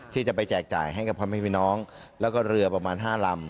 ที่จะไปแจกจ่ายให้กับพี่น้องแล้วก็เรือประมาณห้ารำ